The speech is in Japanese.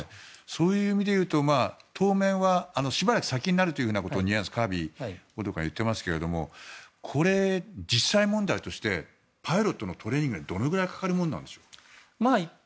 そういう意味でいうと当面はしばらく先になるというニュアンスでカービー報道官は言ってますけどこれ、実際問題としてパイロットのトレーニングはどのぐらいかかるものなんでしょう？